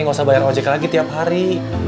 gak usah bayar ojek lagi tiap hari